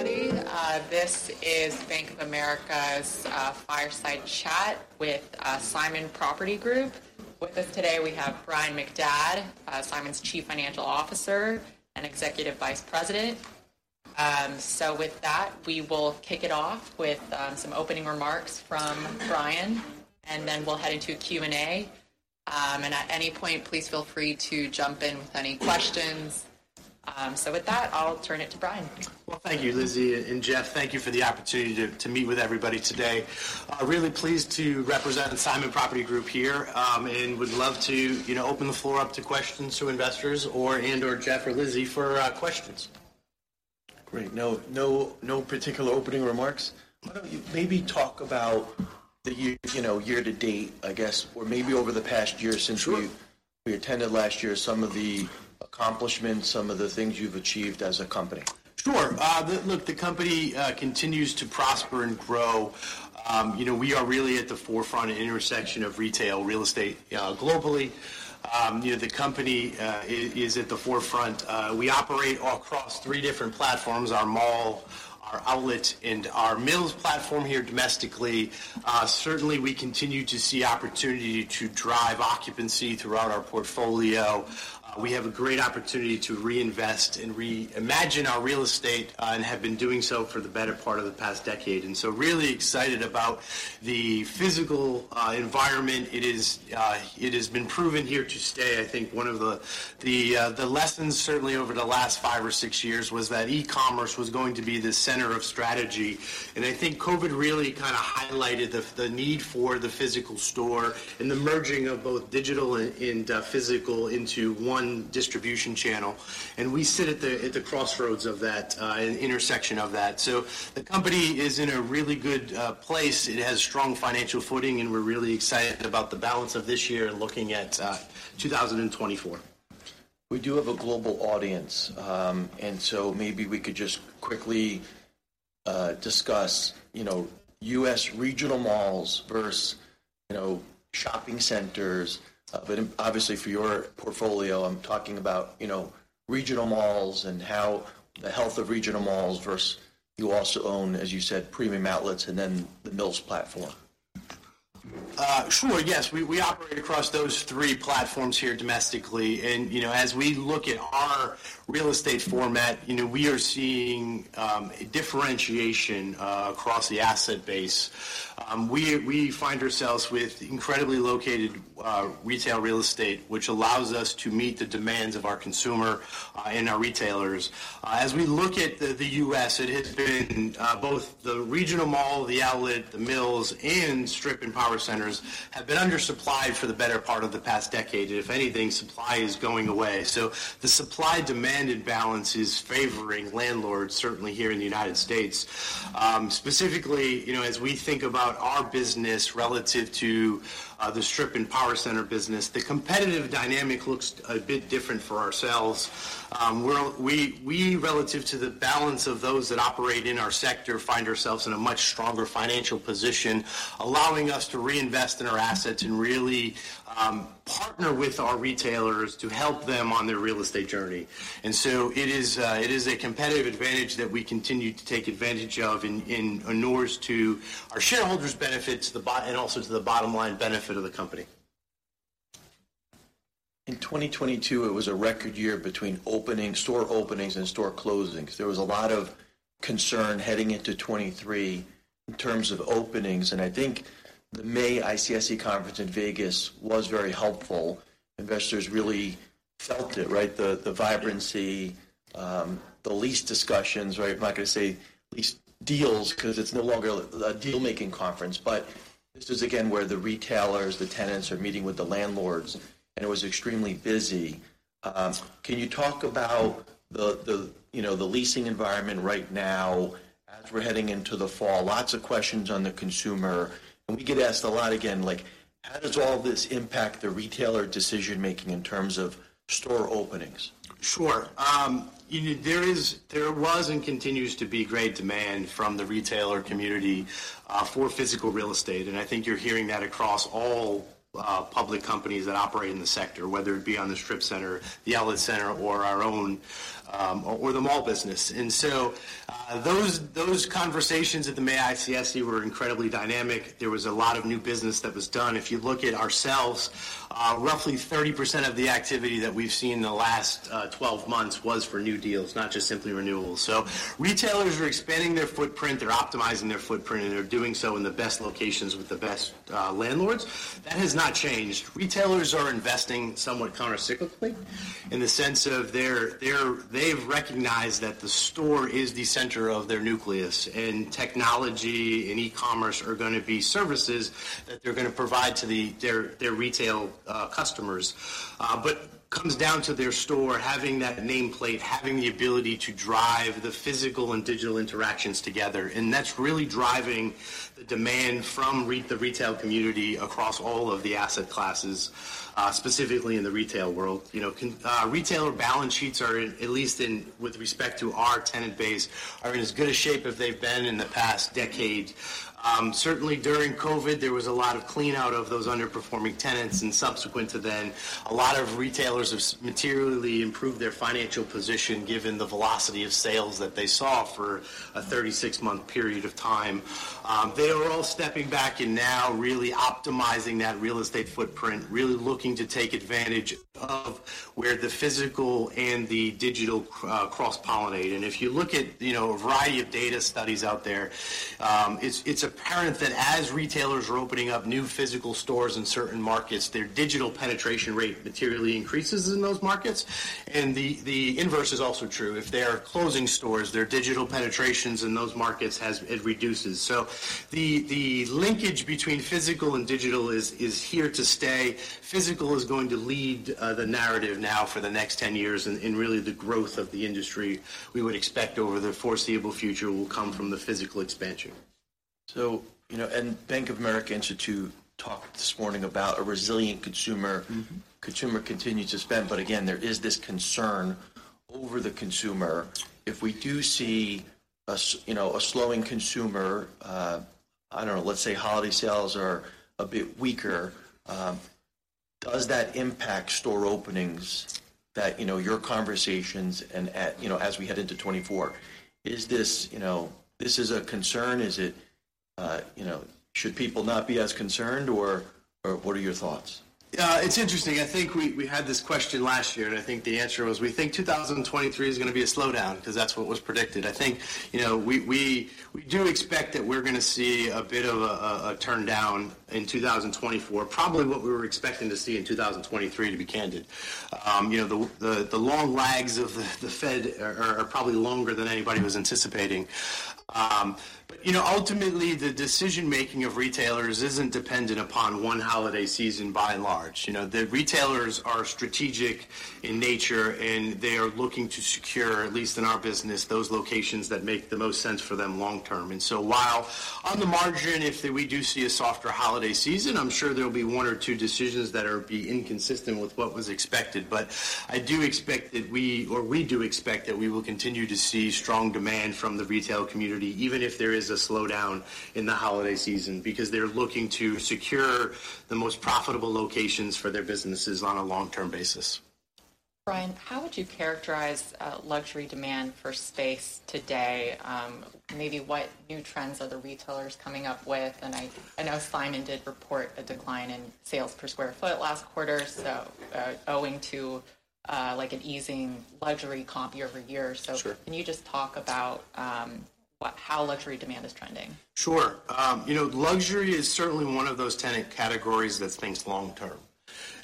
Everybody, this is Bank of America's Fireside Chat with Simon Property Group. With us today, we have Brian McDade, Simon's Chief Financial Officer and Executive Vice President. So with that, we will kick it off with some opening remarks from Brian, and then we'll head into a Q&A. And at any point, please feel free to jump in with any questions. So with that, I'll turn it to Brian. Well, thank you, Lizzie and Jeff. Thank you for the opportunity to meet with everybody today. Really pleased to represent the Simon Property Group here, and would love to, you know, open the floor up to questions to investors or, and/or Jeff or Lizzie for questions. Great. No, no, no particular opening remarks. Why don't you maybe talk about the, you know, year-to-date, I guess, or maybe over the past year since- Sure.... we attended last year, some of the accomplishments, some of the things you've achieved as a company. Sure. Look, the company continues to prosper and grow. You know, we are really at the forefront and intersection of retail real estate globally. You know, the company is at the forefront. We operate across three different platforms: our mall, our outlet, and our Mills platform here domestically. Certainly, we continue to see opportunity to drive occupancy throughout our portfolio. We have a great opportunity to reinvest and reimagine our real estate and have been doing so for the better part of the past decade, and so really excited about the physical environment. It is, it has been proven here to stay. I think one of the lessons, certainly over the last five or six years, was that e-commerce was going to be the center of strategy. I think COVID really kinda highlighted the need for the physical store and the merging of both digital and physical into one distribution channel. We sit at the crossroads of that and intersection of that. So the company is in a really good place. It has strong financial footing, and we're really excited about the balance of this year and looking at 2024. We do have a global audience, and so maybe we could just quickly discuss, you know, U.S. regional malls versus, you know, shopping centers. But obviously, for your portfolio, I'm talking about, you know, regional malls and how the health of regional malls versus you also own, as you said, Premium outlets and then the Mills platform. Sure, yes. We operate across those three platforms here domestically. You know, as we look at our real estate format, you know, we are seeing a differentiation across the asset base. We find ourselves with incredibly located retail real estate, which allows us to meet the demands of our consumer and our retailers. As we look at the U.S., it has been both the regional mall, the outlet, the Mills, and strip and power centers have been undersupplied for the better part of the past decade. If anything, supply is going away. So the supply-demand imbalance is favoring landlords, certainly here in the United States. Specifically, you know, as we think about our business relative to the strip and power center business, the competitive dynamic looks a bit different for ourselves. We're relative to the balance of those that operate in our sector, find ourselves in a much stronger financial position, allowing us to reinvest in our assets and really partner with our retailers to help them on their real estate journey. And so it is a competitive advantage that we continue to take advantage of and inures to our shareholders' benefit, and also to the bottom line benefit of the company. In 2022, it was a record year between opening, store openings and store closings. There was a lot of concern heading into 2023 in terms of openings, and I think the May ICSC conference in Vegas was very helpful. Investors really felt it, right? The vibrancy, the lease discussions, right? I'm not gonna say lease deals 'cause it's no longer a deal-making conference, but this is, again, where the retailers, the tenants, are meeting with the landlords, and it was extremely busy. Can you talk about the, you know, the leasing environment right now as we're heading into the fall? Lots of questions on the consumer, and we get asked a lot, again, like: How does all this impact the retailer decision-making in terms of store openings? Sure. You know, there is—there was and continues to be great demand from the retailer community for physical real estate, and I think you're hearing that across all public companies that operate in the sector, whether it be on the strip center, the Outlet center, or our own or the Mall business. And so, those conversations at the May ICSC were incredibly dynamic. There was a lot of new business that was done. If you look at ourselves, roughly 30% of the activity that we've seen in the last 12 months was for new deals, not just simply renewals. So retailers are expanding their footprint, they're optimizing their footprint, and they're doing so in the best locations with the best landlords. That has not changed. Retailers are investing somewhat countercyclically in the sense of they're, they've recognized that the store is the center of their nucleus, and technology and e-commerce are gonna be services that they're gonna provide to their retail customers. But comes down to their store, having that nameplate, having the ability to drive the physical and digital interactions together, and that's really driving the demand from the retail community across all of the asset classes, specifically in the retail world. You know, retailer balance sheets are, at least in with respect to our tenant base, are in as good a shape as they've been in the past decade. Certainly during COVID, there was a lot of clean-out of those underperforming tenants, and subsequent to then, a lot of retailers have materially improve their financial position, given the velocity of sales that they saw for a 36-month period of time. They are all stepping back and now really optimizing that real estate footprint, really looking to take advantage of where the physical and the digital cross-pollinate. And if you look at, you know, a variety of data studies out there, it's apparent that as retailers are opening up new physical stores in certain markets, their digital penetration rate materially increases in those markets, and the inverse is also true. If they are closing stores, their digital penetrations in those markets reduces. So the linkage between physical and digital is here to stay. Physical is going to lead the narrative now for the next 10 years, and really, the growth of the industry, we would expect over the foreseeable future, will come from the physical expansion. You know, and Bank of America Institute talked this morning about a resilient consumer. Mm-hmm. Consumer continues to spend, but again, there is this concern over the consumer. If we do see a slowing consumer, you know, I don't know, let's say, holiday sales are a bit weaker, does that impact store openings that, you know, your conversations and... You know, as we head into 2024, is this, you know, this is a concern? Is it, you know, should people not be as concerned, or, or what are your thoughts? It's interesting. I think we had this question last year, and I think the answer was: We think 2023 is gonna be a slowdown, 'cause that's what was predicted. I think, you know, we do expect that we're gonna see a bit of a turndown in 2024, probably what we were expecting to see in 2023, to be candid. You know, the long lags of the Fed are probably longer than anybody was anticipating. But, you know, ultimately, the decision-making of retailers isn't dependent upon one holiday season by and large. You know, the retailers are strategic in nature, and they are looking to secure, at least in our business, those locations that make the most sense for them long term. So while on the margin, if we do see a softer holiday season, I'm sure there'll be one or two decisions that'll be inconsistent with what was expected. But I do expect that or we do expect that we will continue to see strong demand from the retail community, even if there is a slowdown in the holiday season, because they're looking to secure the most profitable locations for their businesses on a long-term basis. Brian, how would you characterize luxury demand for space today? Maybe what new trends are the retailers coming up with? And I know Simon did report a decline in sales per sq ft last quarter, so owing to like an easing luxury comp year-over-year. Sure. Can you just talk about how luxury demand is trending? Sure. You know, luxury is certainly one of those tenant categories that thinks long term,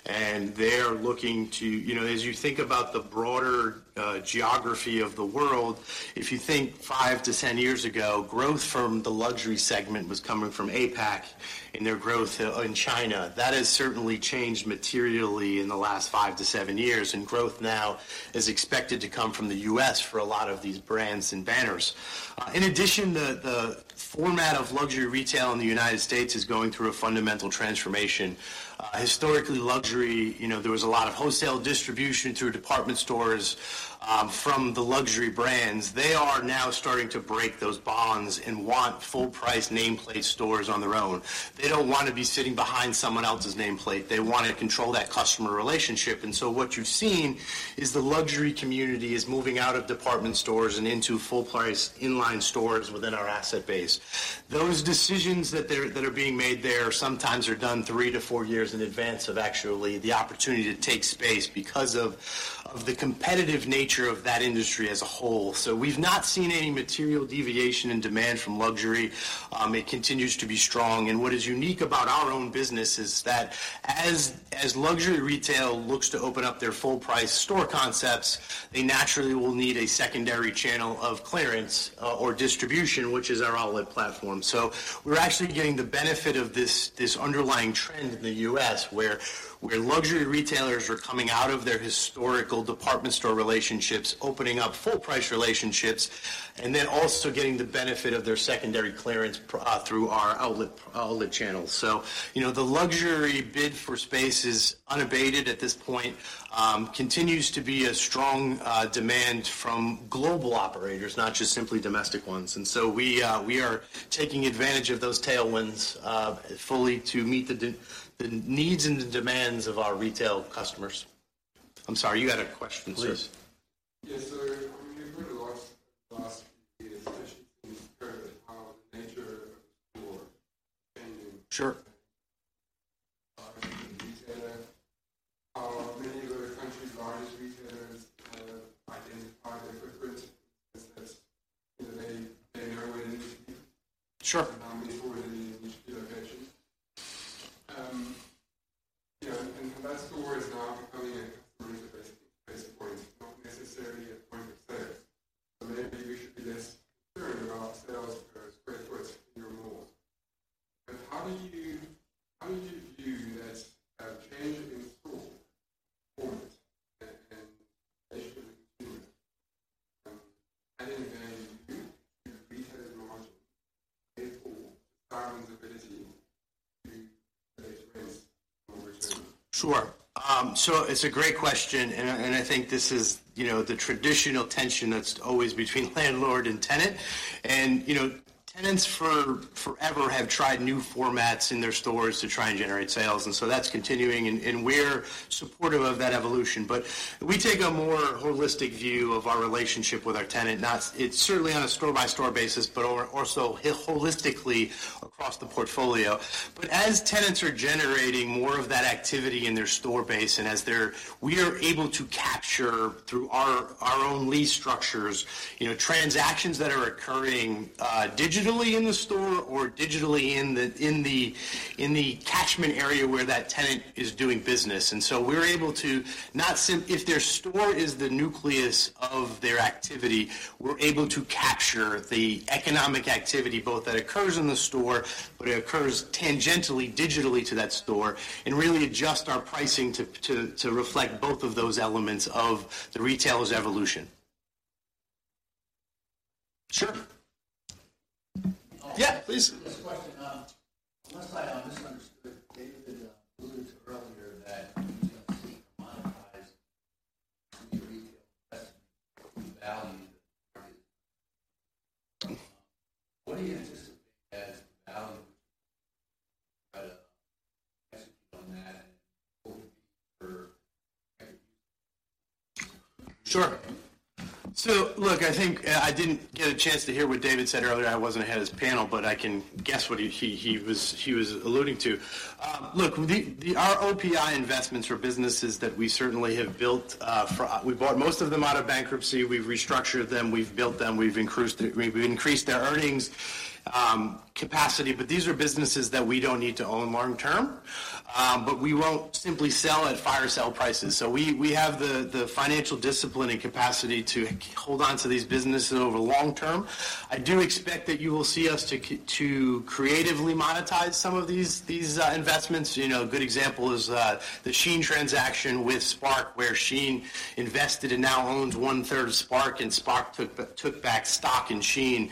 and they're looking to... You know, as you think about the broader geography of the world, if you think 5-10 years ago, growth from the luxury segment was coming from APAC and their growth in China. That has certainly changed materially in the last 5-7 years, and growth now is expected to come from the U.S. for a lot of these brands and banners. In addition, the format of luxury retail in the United States is going through a fundamental transformation. Historically, luxury, you know, there was a lot of wholesale distribution through department stores. From the luxury brands, they are now starting to break those bonds and want full-price nameplate stores on their own. They don't want to be sitting behind someone else's nameplate. They want to control that customer relationship, and so what you've seen is the luxury community is moving out of department stores and into full-price in-line stores within our asset base. Those decisions that are being made there sometimes are done 3-4 years in advance of actually the opportunity to take space because of the competitive nature of that industry as a whole. So we've not seen any material deviation in demand from luxury. It continues to be strong. And what is unique about our own business is that as luxury retail looks to open up their full-price store concepts, they naturally will need a secondary channel of clearance or distribution, which is our Outlet platform. So we're actually getting the benefit of this underlying trend in the U.S., where luxury retailers are coming out of their historical department store relationships, opening up full-price relationships, and then also getting the benefit of their secondary clearance through our outlet channels. So, you know, the luxury bid for space is unabated at this point, continues to be a strong demand from global operators, not just simply domestic ones. And so we are taking advantage of those tailwinds fully to meet the needs and the demands of our retail customers. I'm sorry, you had a question, sir? Please. Yes, sir. We've heard a lot last year, especially in terms of how the nature of store changing- Sure.... retailers, how many of the country's largest retailers have identified their footprint as, you know, they know where they need to be? Sure. they no longer need to be a location. You know, and that store is now becoming a customer touchpoint, not necessarily a point of sale. So maybe we should be less concerned about sales per square foot in your malls. But how would you view this change in store format and customer experience, and in managing the retailer's margin, therefore Simon's ability to raise rents? Sure. So it's a great question, and I think this is, you know, the traditional tension that's always between landlord and tenant. And, you know, tenants forever have tried new formats in their stores to try and generate sales, and so that's continuing, and we're supportive of that evolution. But we take a more holistic view of our relationship with our tenant, not it's certainly on a store-by-store basis, but also holistically across the portfolio. But as tenants are generating more of that activity in their store base, and as they're we are able to capture through our own lease structures, you know, transactions that are occurring digitally in the store or digitally in the catchment area where that tenant is doing business. And so we're able to, not simply if their store is the nucleus of their activity, we're able to capture the economic activity, both that occurs in the store, but it occurs tangentially, digitally to that store, and really adjust our pricing to reflect both of those elements of the retailer's evolution. Sure. Yeah, please. Next question. Unless I misunderstood, David alluded to earlier that FMC monetized new retail, that's the value. What do you anticipate as value on that for? Sure. So look, I think I didn't get a chance to hear what David said earlier. I wasn't ahead of his panel, but I can guess what he was alluding to. Look, our OPI investments are businesses that we certainly have built for. We bought most of them out of bankruptcy, we've restructured them, we've built them, we've increased their earnings capacity, but these are businesses that we don't need to own long term, but we won't simply sell at fire sale prices. So we have the financial discipline and capacity to hold on to these businesses over the long term. I do expect that you will see us to creatively monetize some of these investments. You know, a good example is the SHEIN transaction with SPARC, where SHEIN invested and now owns one-third of SPARC, and SPARC took back stock in SHEIN.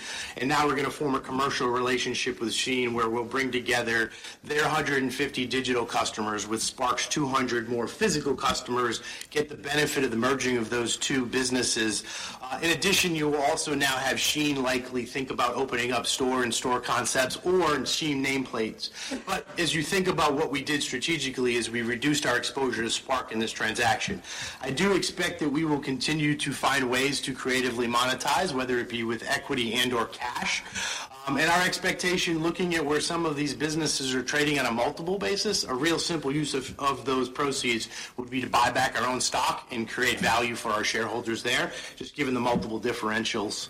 Now we're gonna form a commercial relationship with SHEIN, where we'll bring together their 150 digital customers with SPARC's 200 more physical customers, get the benefit of the merging of those two businesses. In addition, you will also now have SHEIN likely think about opening up store-in-store concepts or SHEIN nameplates. But as you think about what we did strategically, is we reduced our exposure to SPARC in this transaction. I do expect that we will continue to find ways to creatively monetize, whether it be with equity and/or cash. And our expectation, looking at where some of these businesses are trading on a multiple basis, a real simple use of those proceeds would be to buy back our own stock and create value for our shareholders there, just given the multiple differentials.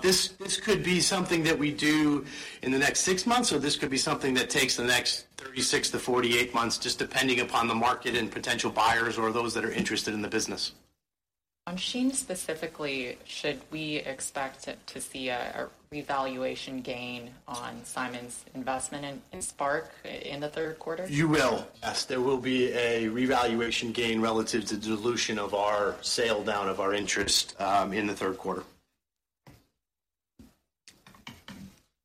This could be something that we do in the next six months, or this could be something that takes the next 36-48 months, just depending upon the market and potential buyers or those that are interested in the business. On SHEIN specifically, should we expect to see a revaluation gain on Simon's investment in SPARC in the third quarter? You will. Yes, there will be a revaluation gain relative to dilution of our sale down of our interest, in the third quarter.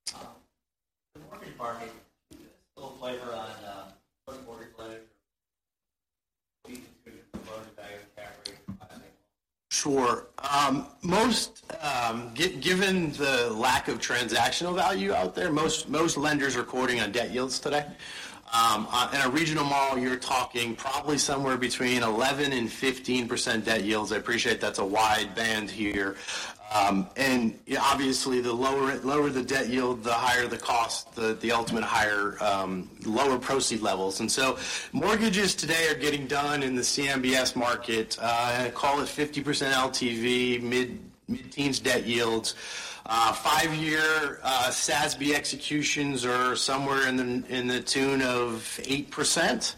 The mortgage market, a little flavor on, what mortgage lenders... Sure. Given the lack of transactional value out there, most lenders are recording on debt yields today. On a regional model, you're talking probably somewhere between 11%-15% debt yields. I appreciate that's a wide band here. And yeah, obviously, the lower the debt yield, the higher the cost, the ultimate higher lower proceeds levels. And so mortgages today are getting done in the CMBS market, call it 50% LTV, mid-teens debt yields. Five-year SASB executions are somewhere in the tune of 8%.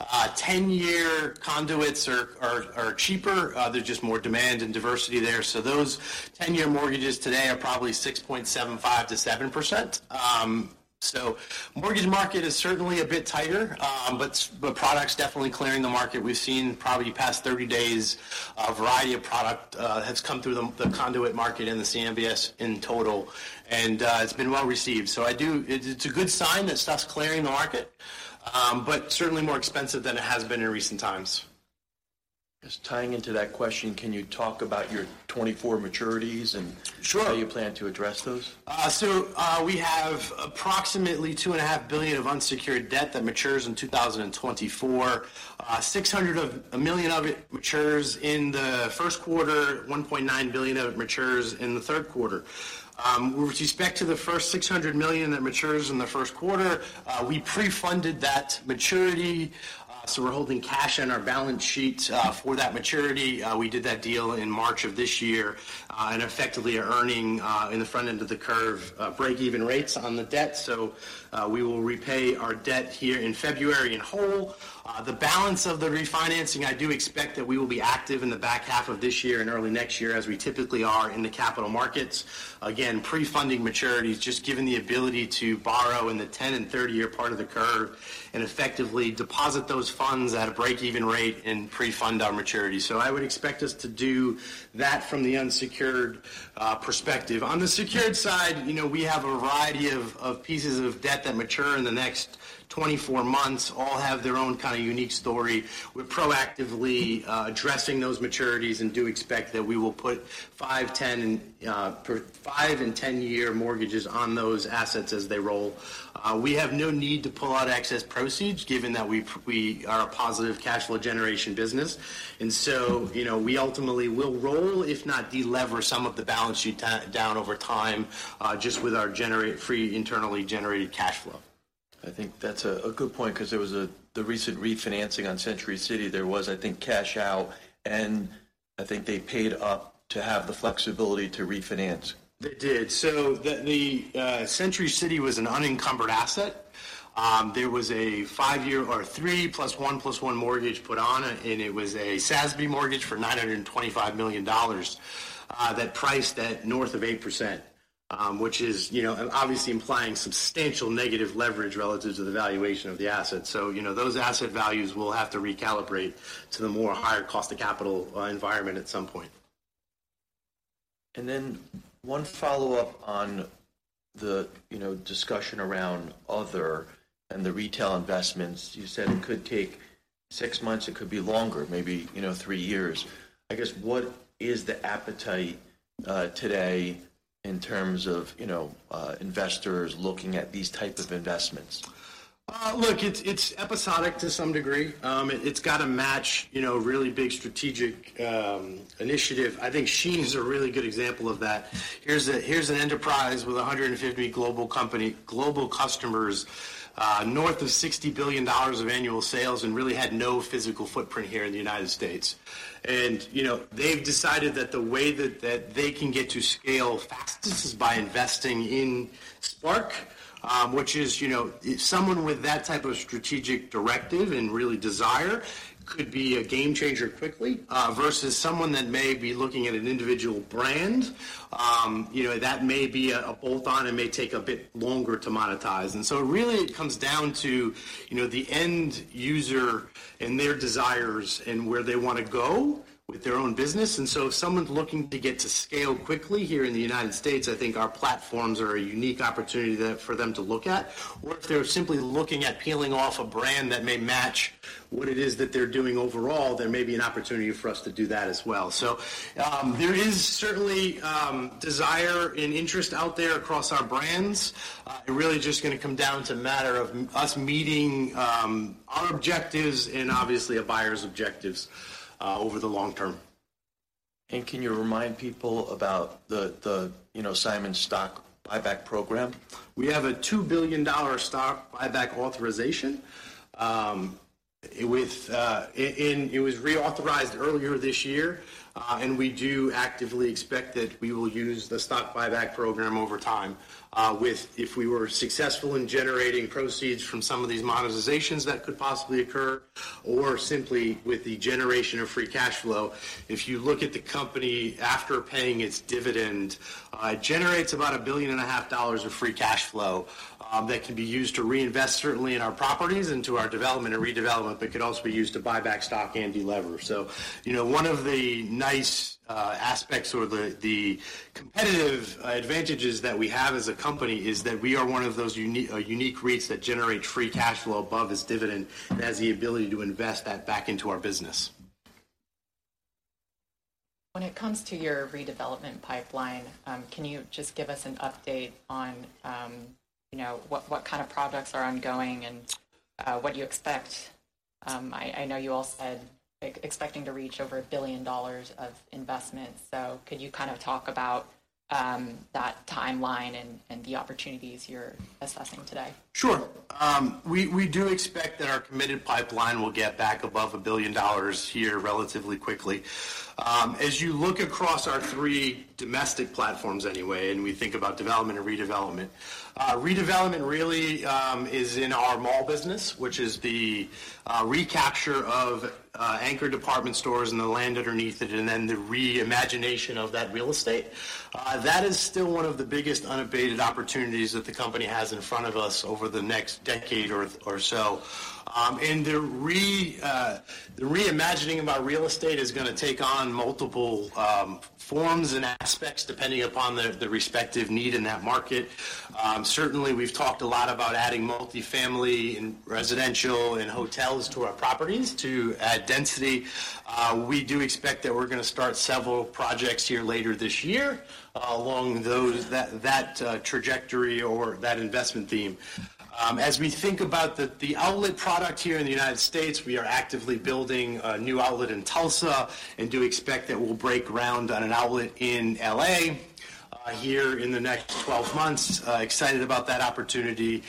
10-year conduits are cheaper, there's just more demand and diversity there. So those 10-year mortgages today are probably 6.75%-7%. So mortgage market is certainly a bit tighter, but products definitely clearing the market. We've seen probably the past 30 days, a variety of product has come through the conduit market in the CMBS in total, and it's been well received. So it's a good sign that stuff's clearing the market, but certainly more expensive than it has been in recent times. Just tying into that question, can you talk about your 2024 maturities and- Sure. how you plan to address those? So, we have approximately $2.5 billion of unsecured debt that matures in 2024. $600 million of it matures in the first quarter, $1.9 billion of it matures in the third quarter. With respect to the first $600 million that matures in the first quarter, we pre-funded that maturity, so we're holding cash on our balance sheet, for that maturity. We did that deal in March of this year, and effectively are earning, in the front end of the curve, break-even rates on the debt. So, we will repay our debt here in February in whole. The balance of the refinancing, I do expect that we will be active in the back half of this year and early next year, as we typically are in the capital markets. Again, pre-funding maturities, just given the ability to borrow in the 10- and 30-year part of the curve and effectively deposit those funds at a break-even rate and pre-fund our maturity. So I would expect us to do that from the unsecured perspective. On the secured side, you know, we have a variety of pieces of debt that mature in the next 24 months, all have their own kinda unique story. We're proactively addressing those maturities and do expect that we will put five, 10, and five and 10-year mortgages on those assets as they roll. We have no need to pull out excess proceeds, given that we are a positive cash flow generation business. And so, you know, we ultimately will roll, if not delever some of the balance sheet down over time, just with our free internally generated cash flow. I think that's a good point, 'cause there was the recent refinancing on Century City, there was, I think, cash out, and I think they paid up to have the flexibility to refinance. They did. So the Century City was an unencumbered asset. There was a five-year or three plus one plus one mortgage put on, and it was a SASB mortgage for $925 million that priced at north of 8%, which is, you know, obviously implying substantial negative leverage relative to the valuation of the asset. So, you know, those asset values will have to recalibrate to the more higher cost of capital environment at some point. And then one follow-up on the, you know, discussion around OPI and the retail investments. You said it could take six months, it could be longer, maybe, you know, three years. I guess, what is the appetite today in terms of, you know, investors looking at these type of investments? Look, it's, it's episodic to some degree. It's got to match, you know, a really big strategic initiative. I think SHEIN is a really good example of that. Here's a, here's an enterprise with 150 global company—global customers, north of $60 billion of annual sales and really had no physical footprint here in the United States. And, you know, they've decided that the way that, that they can get to scale fast is by investing in SPARC, which is, you know... Someone with that type of strategic directive and really desire could be a game changer quickly, versus someone that may be looking at an individual brand. You know, that may be a, a bolt-on and may take a bit longer to monetize. Really it comes down to, you know, the end user and their desires and where they wanna go with their own business. If someone's looking to get to scale quickly here in the United States, I think our platforms are a unique opportunity that, for them to look at. Or if they're simply looking at peeling off a brand that may match what it is that they're doing overall, there may be an opportunity for us to do that as well. There is certainly desire and interest out there across our brands. It really just gonna come down to a matter of us meeting our objectives and obviously a buyer's objectives over the long term. Can you remind people about the, you know, Simon stock buyback program? We have a $2 billion stock buyback authorization, and it was reauthorized earlier this year, and we do actively expect that we will use the stock buyback program over time, with—if we were successful in generating proceeds from some of these monetizations that could possibly occur, or simply with the generation of free cash flow. If you look at the company after paying its dividend, it generates about $1.5 billion of free cash flow, that can be used to reinvest, certainly in our properties, into our development and redevelopment, but could also be used to buy back stock and delever. You know, one of the nice aspects or the competitive advantages that we have as a company is that we are one of those unique REITs that generate free cash flow above its dividend, and has the ability to invest that back into our business. When it comes to your redevelopment pipeline, can you just give us an update on, you know, what kind of projects are ongoing and what you expect? I know you all said expecting to reach over $1 billion of investment, so could you kind of talk about that timeline and the opportunities you're assessing today? Sure. We do expect that our committed pipeline will get back above $1 billion here relatively quickly. As you look across our three domestic platforms anyway, and we think about development and redevelopment, redevelopment really is in our Mall business, which is the recapture of anchor department stores and the land underneath it, and then the reimagination of that real estate. That is still one of the biggest unabated opportunities that the company has in front of us over the next decade or so. And the reimagining about real estate is gonna take on multiple forms and aspects, depending upon the respective need in that market. Certainly, we've talked a lot about adding multifamily and residential and hotels to our properties to add density. We do expect that we're gonna start several projects here later this year, along those that trajectory or that investment theme. As we think about the outlet product here in the United States, we are actively building a new outlet in Tulsa and do expect that we'll break ground on an outlet in LA here in the next 12 months. Excited about that opportunity.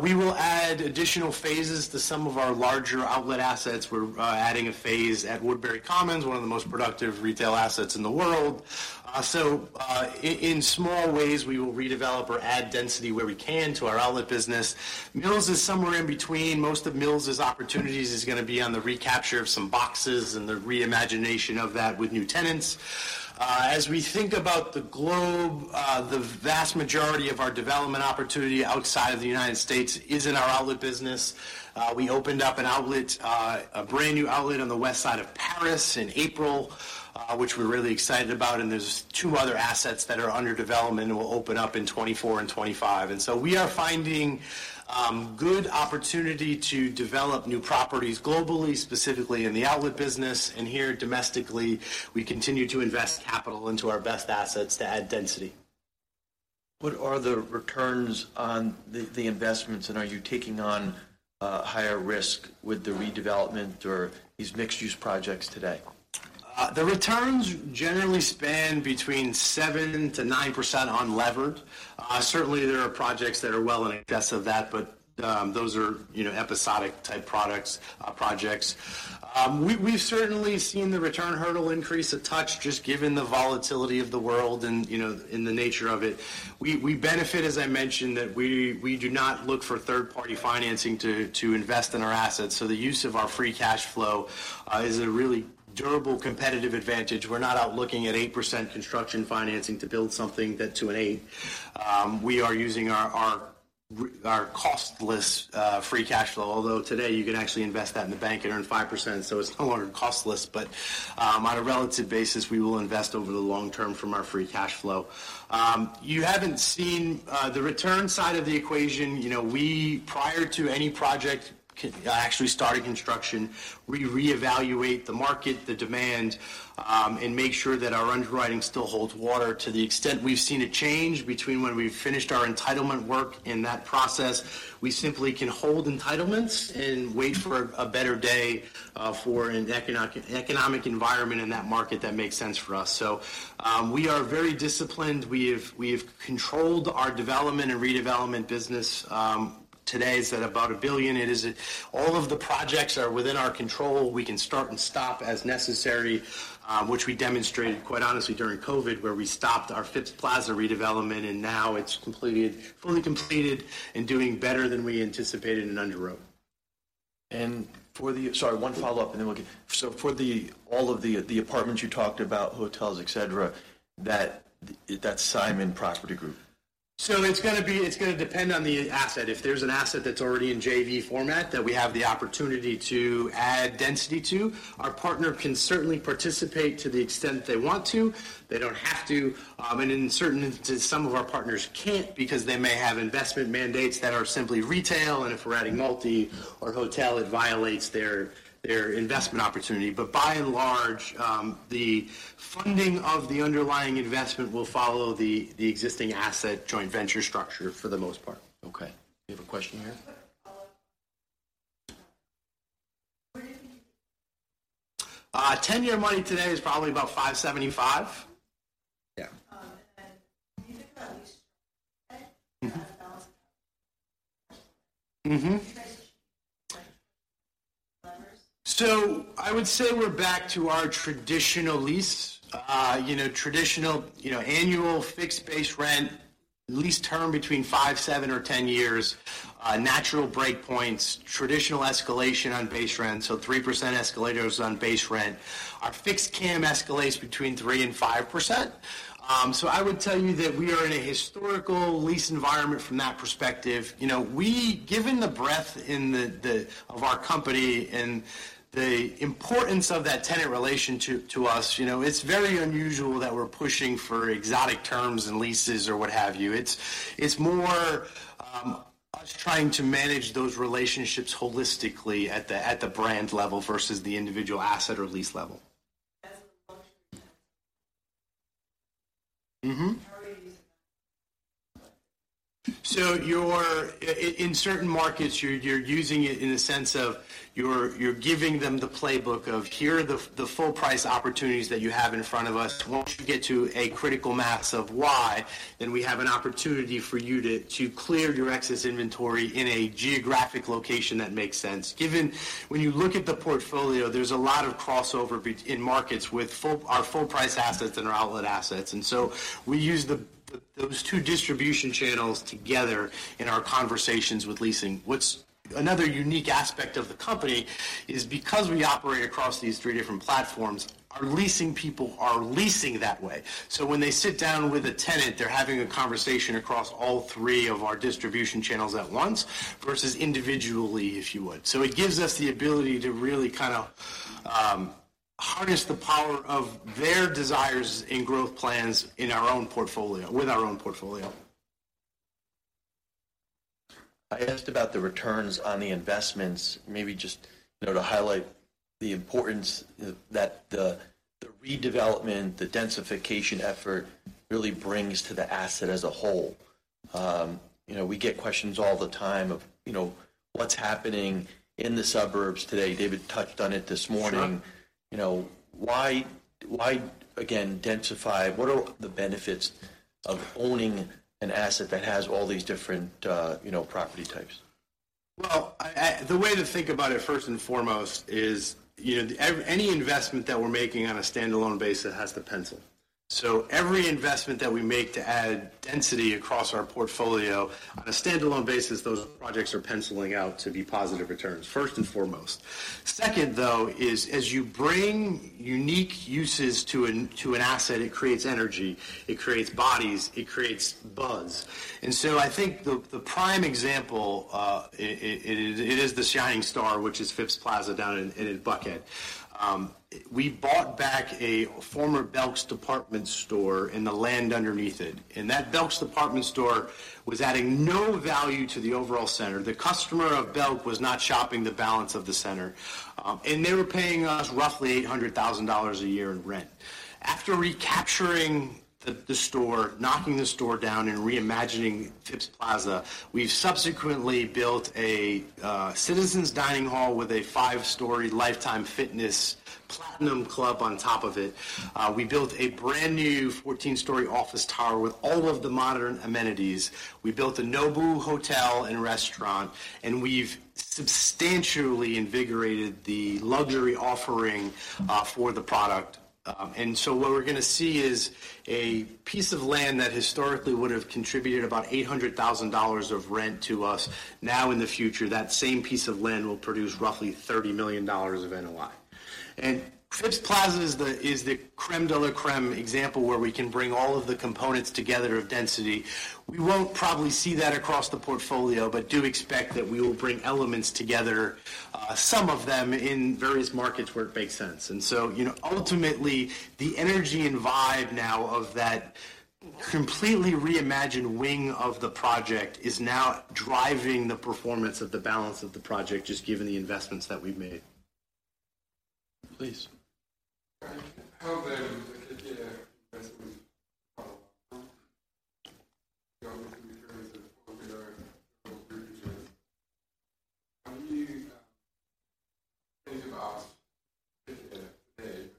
We will add additional phases to some of our larger outlet assets. We're adding a phase at Woodbury Common, one of the most productive retail assets in the world. So, in small ways, we will redevelop or add density where we can to our Outlet business. Mills is somewhere in between. Most of Mills' opportunities is gonna be on the recapture of some boxes and the reimagination of that with new tenants. As we think about the globe, the vast majority of our development opportunity outside of the United States is in our Outlet business. We opened up an outlet, a brand-new outlet on the west side of Paris in April, which we're really excited about, and there's two other assets that are under development and will open up in 2024 and 2025. And so we are finding good opportunity to develop new properties globally, specifically in the Outlet business. And here domestically, we continue to invest capital into our best assets to add density. What are the returns on the investments, and are you taking on higher risk with the redevelopment or these mixed-use projects today? The returns generally span between 7%-9% unlevered. Certainly there are projects that are well in excess of that, but, those are, you know, episodic-type products, projects. We've certainly seen the return hurdle increase a touch, just given the volatility of the world and, you know, and the nature of it. We benefit, as I mentioned, that we do not look for third-party financing to invest in our assets, so the use of our free cash flow is a really durable competitive advantage. We're not out looking at 8% construction financing to build something that to an eight. We are using our costless free cash flow, although today you can actually invest that in the bank and earn 5%, so it's no longer costless. But, on a relative basis, we will invest over the long term from our free cash flow. You haven't seen the return side of the equation. You know, we... Prior to any project actually starting construction, we reevaluate the market, the demand, and make sure that our underwriting still holds water. To the extent we've seen a change between when we've finished our entitlement work in that process, we simply can hold entitlements and wait for a better day for an economic environment in that market that makes sense for us. So, we are very disciplined. We've controlled our development and redevelopment business. Today, it's at about $1 billion. It is a... All of the projects are within our control. We can start and stop as necessary, which we demonstrated, quite honestly, during COVID, where we stopped our Phipps Plaza redevelopment, and now it's completed, fully completed and doing better than we anticipated in underwrote. Sorry, one follow-up, and then we'll get, so for all of the apartments you talked about, hotels, et cetera, that's Simon Property Group? So it's gonna depend on the asset. If there's an asset that's already in JV format that we have the opportunity to add density to, our partner can certainly participate to the extent they want to. They don't have to. And in certain instances, some of our partners can't because they may have investment mandates that are simply retail, and if we're adding multi or hotel, it violates their investment opportunity. But by and large, the funding of the underlying investment will follow the existing asset joint venture structure for the most part. Okay. Do you have a question here? Where do you think- 10-year money today is probably about 5.75. Yeah. When you think about lease. Mm-hmm. Levers. So I would say we're back to our traditional lease. You know, traditional, you know, annual fixed base rent, lease term between five, seven, or 10 years, natural breakpoints, traditional escalation on base rent, so 3% escalators on base rent. Our fixed CAM escalates between 3% and 5%. So I would tell you that we are in a historical lease environment from that perspective. You know, given the breadth of our company and the importance of that tenant relation to us, you know, it's very unusual that we're pushing for exotic terms and leases or what have you. It's more us trying to manage those relationships holistically at the brand level versus the individual asset or lease level. As a luxury Mm-hmm. How are you using that? So you're in certain markets, you're using it in the sense of you're giving them the playbook of, "Here are the full-price opportunities that you have in front of us. Once you get to a critical mass of Y, then we have an opportunity for you to clear your excess inventory in a geographic location that makes sense." When you look at the portfolio, there's a lot of crossover in markets with our full-price assets and our outlet assets, and so we use those two distribution channels together in our conversations with leasing. What's another unique aspect of the company is because we operate across these three different platforms, our leasing people are leasing that way. So when they sit down with a tenant, they're having a conversation across all three of our distribution channels at once, versus individually, if you would. So it gives us the ability to really kind of harness the power of their desires and growth plans in our own portfolio, with our own portfolio. I asked about the returns on the investments, maybe just, you know, to highlight the importance that the redevelopment, the densification effort really brings to the asset as a whole. You know, we get questions all the time of, you know, what's happening in the suburbs today. David touched on it this morning. Sure. You know, why, why, again, densify? What are the benefits of owning an asset that has all these different, you know, property types? Well, the way to think about it, first and foremost, is, you know, any investment that we're making on a standalone basis has the pencil. So every investment that we make to add density across our portfolio, on a standalone basis, those projects are penciling out to be positive returns, first and foremost. Second, though, is as you bring unique uses to an asset, it creates energy, it creates bodies, it creates buzz. And so I think the prime example, it is the shining star, which is Phipps Plaza, down in Buckhead. We bought back a former Belk's department store and the land underneath it, and that Belk's department store was adding no value to the overall center. The customer of Belk was not shopping the balance of the center, and they were paying us roughly $800,000 a year in rent. After recapturing the store, knocking the store down, and reimagining Phipps Plaza, we've subsequently built a Citizens dining hall with a five-story Life Time Fitness Platinum club on top of it. We built a brand-new 14-story office tower with all of the modern amenities. We built a Nobu hotel and restaurant, and we've substantially invigorated the luxury offering for the product. And so what we're gonna see is a piece of land that historically would have contributed about $800,000 of rent to us. Now, in the future, that same piece of land will produce roughly $30 million of NOI. Phipps Plaza is the crème de la crème example, where we can bring all of the components together of density. We won't probably see that across the portfolio, but do expect that we will bring elements together, some of them in various markets where it makes sense. And so, you know, ultimately, the energy and vibe now of that completely reimagined wing of the project is now driving the performance of the balance of the project, just given the investments that we've made. Please. How the KKR investment return? How do you think about KKR today?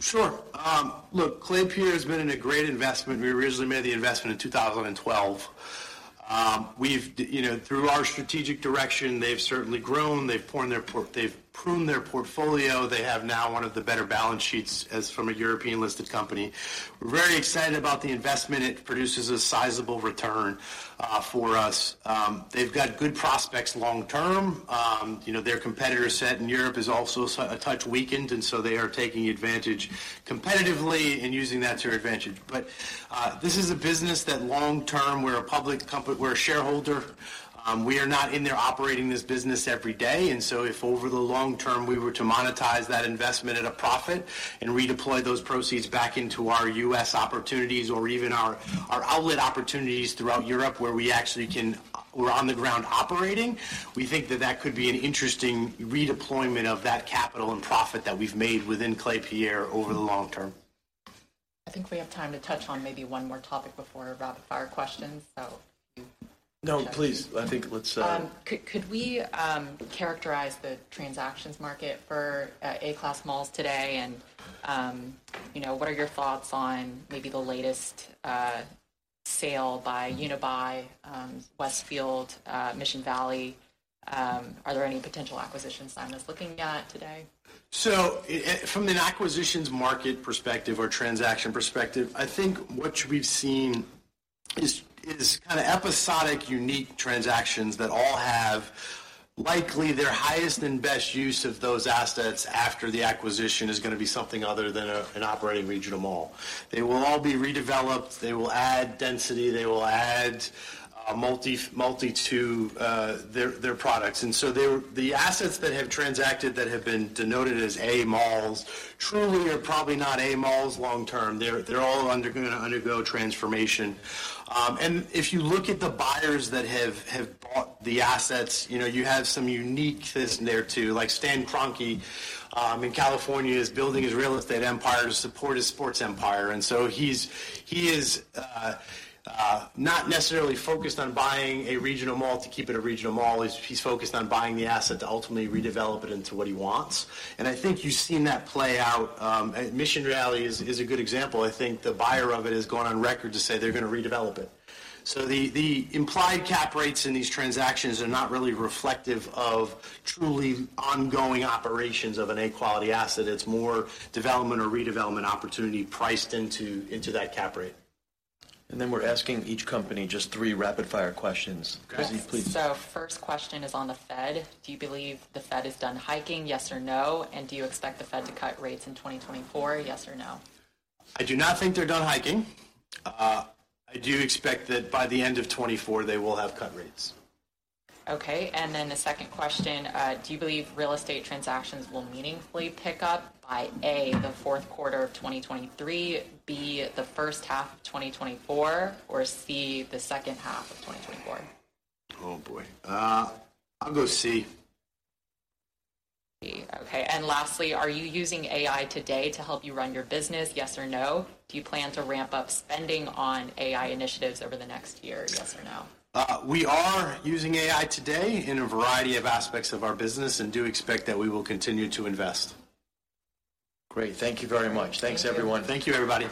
Sure. Look, Klépierre has been a great investment. We originally made the investment in 2012. You know, through our strategic direction, they've certainly grown, they've pruned their portfolio. They have now one of the better balance sheets as from a European-listed company. We're very excited about the investment. It produces a sizable return for us. They've got good prospects long term. You know, their competitor set in Europe is also a touch weakened, and so they are taking advantage competitively and using that to their advantage. But this is a business that long term, we're a public company-- we're a shareholder. We are not in there operating this business every day, and so if over the long term, we were to monetize that investment at a profit and redeploy those proceeds back into our U.S. opportunities or even our outlet opportunities throughout Europe, where we actually can, we're on the ground operating, we think that that could be an interesting redeployment of that capital and profit that we've made within Klépierre over the long term. I think we have time to touch on maybe one more topic before rapid-fire questions. So- No, please. I think let's, Could we characterize the transactions market for A-class malls today, and you know, what are your thoughts on maybe the latest sale by Unibail Westfield Mission Valley? Are there any potential acquisition Simon is looking at today? So, from an acquisitions market perspective or transaction perspective, I think what we've seen is kinda episodic, unique transactions that all have likely their highest and best use of those assets after the acquisition is gonna be something other than an operating regional mall. They will all be redeveloped, they will add density, they will add a multi to their products. And so they... The assets that have transacted, that have been denoted as A malls, truly are probably not A malls long term. They're all gonna undergo transformation. And if you look at the buyers that have bought the assets, you know, you have some uniqueness there too. Like Stan Kroenke, in California, is building his real estate empire to support his sports empire, and so he is not necessarily focused on buying a regional mall to keep it a regional mall, he's focused on buying the asset to ultimately redevelop it into what he wants. And I think you've seen that play out, at Mission Valley is a good example. I think the buyer of it has gone on record to say they're gonna redevelop it. So the implied cap rates in these transactions are not really reflective of truly ongoing operations of an A-quality asset. It's more development or redevelopment opportunity priced into that cap rate. Then we're asking each company just three rapid-fire questions. Yes. Lizzie, please. First question is on the Fed. Do you believe the Fed is done hiking, yes or no? And do you expect the Fed to cut rates in 2024, yes or no? I do not think they're done hiking. I do expect that by the end of 2024, they will have cut rates. Okay, and then the second question: Do you believe real estate transactions will meaningfully pick up by, A, the fourth quarter of 2023, B, the first half of 2024, or, C, the second half of 2024? Oh, boy! I'll go C. C. Okay, and lastly, are you using AI today to help you run your business, yes or no? Do you plan to ramp up spending on AI initiatives over the next year, yes or no? We are using AI today in a variety of aspects of our business and do expect that we will continue to invest. Great. Thank you very much. Thank you. Thanks, everyone. Thank you, everybody.